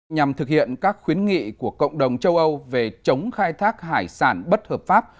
nhằm thực hiện các khuyến nghị của cộng đồng châu âu về chống khai thác hải sản bất hợp pháp